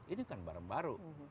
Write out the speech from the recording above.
ini kan barang baru